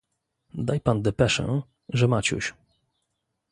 "Daj pan depeszę, że Maciuś."